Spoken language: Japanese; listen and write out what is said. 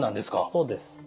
そうです。